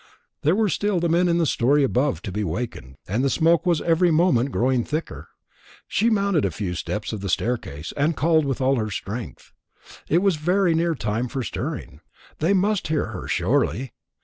There were still the men in the story above to be awakened, and the smoke was every moment growing thicker. She mounted a few steps of the staircase, and called with all her strength. It was very near their time for stirring. They must hear her, surely.